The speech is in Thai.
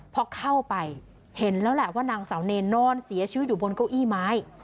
พอเข้าไปเห็นแล้วแหละว่านางสาวเนรนอนเสียชีวิตอยู่บนเก้าอี้ไม้